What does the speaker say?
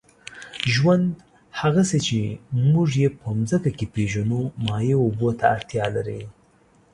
ژوند، هغسې چې موږ یې په مځکه کې پېژنو، مایع اوبو ته اړتیا لري.